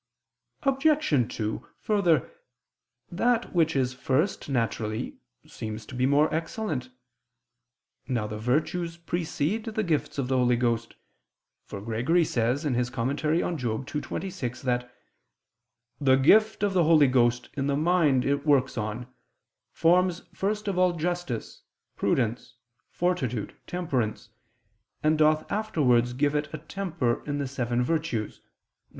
Obj. 2: Further, that which is first naturally, seems to be more excellent. Now the virtues precede the gifts of the Holy Ghost; for Gregory says (Moral. ii, 26) that "the gift of the Holy Ghost in the mind it works on, forms first of all justice, prudence, fortitude, temperance ... and doth afterwards give it a temper in the seven virtues" (viz.